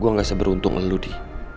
gue gak seberuntung elu di